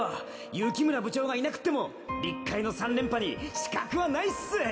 幸村部長がいなくっても立海の三連覇に死角はないっす！